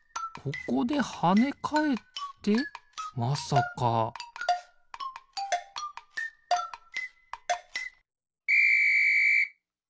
ここではねかえってまさかピッ！